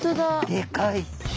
でかい！